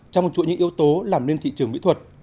trong chuỗi những yếu tố làm nên thị trường mỹ thuật